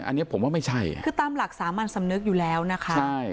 อันนี้ผมว่าไม่ใช่อ่ะคือตามหลักสามัญสำนึกอยู่แล้วนะคะใช่